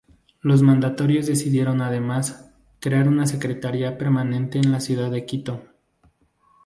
Los mandatarios decidieron además "crear una secretaría permanente en la ciudad de Quito".